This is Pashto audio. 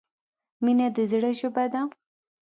مینه د زړه ژبه ده.